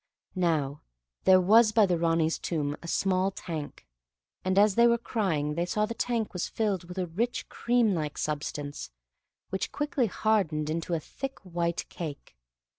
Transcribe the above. Now there was by the Ranee's tomb a small tank, and as they were crying they saw the tank was filled with a rich cream like substance, which quickly hardened into a thick white cake.